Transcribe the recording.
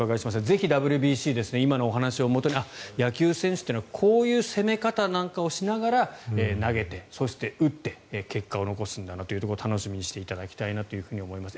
ぜひＷＢＣ今のお話をもとに野球選手というのはこういう攻め方をしながら投げて、そして打って結果を残すんだなというところを楽しみにしていただきたいなと思います。